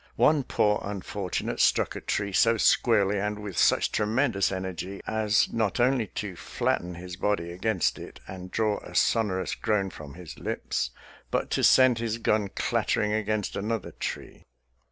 One poor unfortunate struck a tree so squarely and with such tremendous energy as not only to flatten his body against it and draw a sonorous groan from his lips, but to send his gun clattering against another tree.